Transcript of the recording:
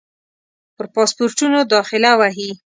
پر پاسپورټونو داخله وهي.